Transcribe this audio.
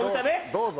どうぞ。